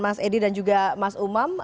mas edi dan juga mas umam